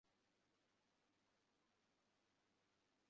কোনো কথা না বলে কেবল আঙুল নেড়ে নিষেধ করলেন।